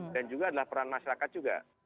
dan juga adalah peran masyarakat juga